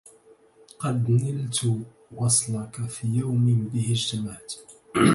قد نلتُ وصلك في يوم به اجتمعت